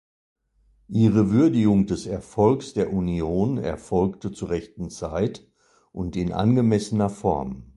Ihre Würdigung des Erfolgs der Union erfolgte zur rechten Zeit und in angemessener Form.